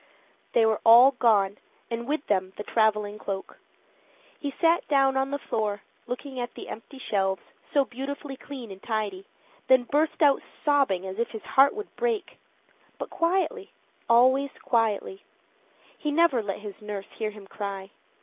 They were all gone and with them the traveling cloak. He sat down on the floor, looking at the empty shelves, so beautifully clean and tidy, then burst out sobbing as if his heart would break. But quietly always quietly. He never let his nurse hear him cry.